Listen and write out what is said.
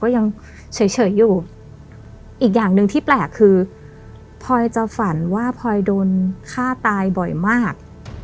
ยังเฉยอยู่อีกอย่างหนึ่งที่แปลกคือพลอยจะฝันว่าพลอยโดนฆ่าตายบ่อยมาก